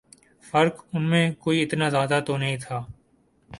فرق ان میں کوئی اتنا زیادہ تو نہیں تھا